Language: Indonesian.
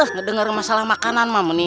ngedengar masalah makanan mah